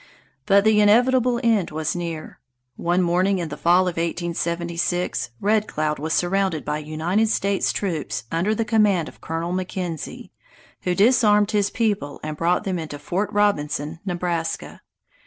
But the inevitable end was near. One morning in the fall of 1876 Red Cloud was surrounded by United States troops under the command of Colonel McKenzie, who disarmed his people and brought them into Fort Robinson, Nebraska.